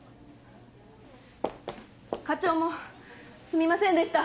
課長もすみませんでした。